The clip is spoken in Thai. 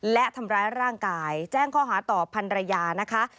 และทำร้ายร่างกายแจ้งข้อหาต่อพันรยานะคะ